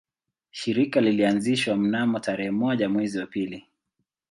Shirika lilianzishwa mnamo tarehe moja mwezi wa pili